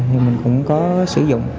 thì mình cũng có sử dụng